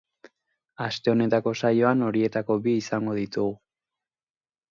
Aste honetako saioan horietako bi izango ditugu.